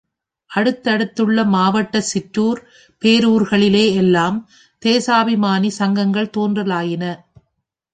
அடுத்தடுத்துள்ள மாவட்டச் சிற்றுர், பேரூர்களிலே எல்லாம் தேசாபிமானி சங்கங்கள் தோன்றலாயின.